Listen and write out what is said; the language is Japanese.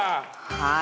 はい。